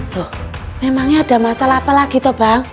loh memangnya ada masalah apa lagi tuh bang